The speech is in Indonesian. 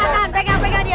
pegang pegang dia